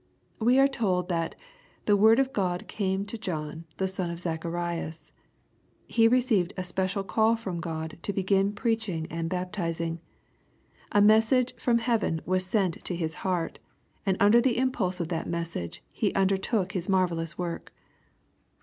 We are told that " the word of God came to John, the son of Zacharias/' He received a special call from God to begin p reaching and baptizing. A message from heaven y^as sent to his heart, and under the impulse of that message, he undertook his mar vellous work.